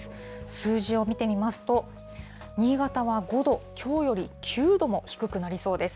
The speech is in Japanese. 数字を見てみますと、新潟は５度、きょうより９度も低くなりそうです。